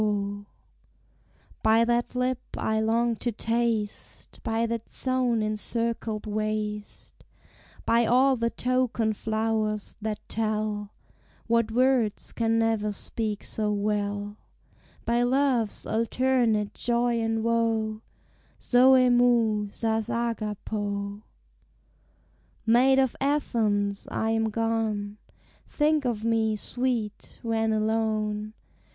] By that lip I long to taste; By that zone encircled waist; By all the token flowers that tell What words can never speak so well; By love's alternate joy and woe, [Greek: Zôê moy sas hagapô.] Maid of Athens! I am gone. Think of me, sweet! when alone.